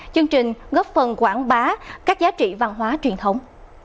chương trình góp phần quảng bá các giá trị văn hóa truyền thống